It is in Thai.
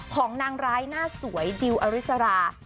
ของนางร้ายหน้าสวยดิวอริสรา